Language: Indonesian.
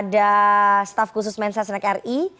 ada staff khusus mensa senek ri